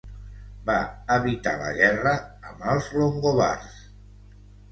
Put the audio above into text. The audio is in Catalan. Va evitar la guerra amb els longobards.